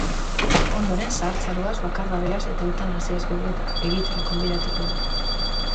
Ondoren, zahartzaroaz, bakardadeaz eta eutanasiaz gogoeta egitera gonbidatuko du.